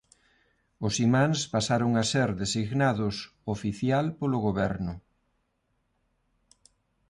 Os imáns pasaron a ser designados oficial polo goberno.